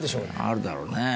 あるだろうね。